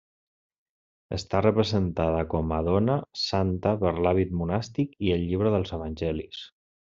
Està representada com a dona santa per l'hàbit monàstic i el llibre dels Evangelis.